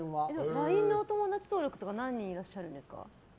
ＬＩＮＥのお友達登録とか何人いらっしゃるんですか？